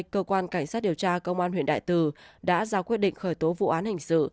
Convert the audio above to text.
cơ quan cảnh sát điều tra công an huyện đại từ đã ra quyết định khởi tố vụ án hình sự